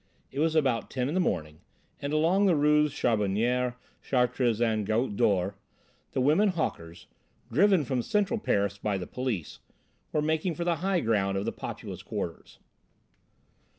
It was about ten in the morning, and along the Rues Charbonnière, Chartres and Goutte d'Or the women hawkers, driven from central Paris by the police, were making for the high ground of the populous quarters.